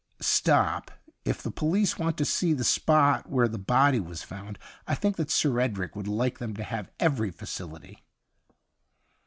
Stop ; if the police want to see the spot whei*e the body was found, I think that Sir Edric would like them to have every facility.'